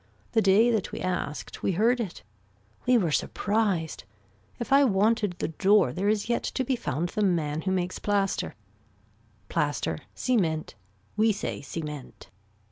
The day that we asked we heard it. We were surprised. If I wanted the door there is yet to be found the man who makes plaster. Plaster, cement. We say cement.